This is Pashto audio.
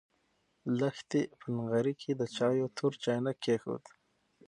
لښتې په نغري کې د چایو تور چاینک کېښود.